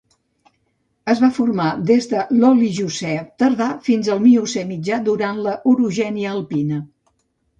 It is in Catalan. Es va formar des de l'Oligocè tardà fins al Miocè mitjà, durant l'orogènia alpina.